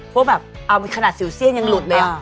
เพราะว่ามีขนาดสิวเสี้ยงยังหลุดเลย